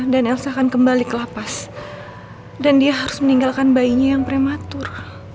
dan elsa akan kembali kelapas dan dia harus meninggalkan bayinya yang prematur